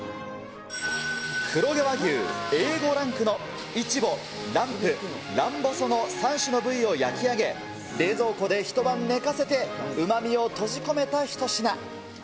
黒毛和牛Ａ５ランクのイチボ、ランプ、ランボソの３種の部位を焼き上げ、冷蔵庫で一晩寝かせて、うまみを閉じ込めた一品。